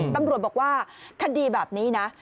ตำรวจบอกว่าคดีแบบนี้นะ